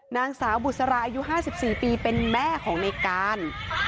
นางสาวบุษราอายุ๕๔ปีเป็นแม่ของในการ